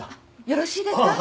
よろしいですか？